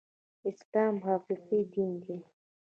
اسلام حقيقي دين دی